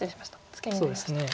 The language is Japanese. ツケになりました。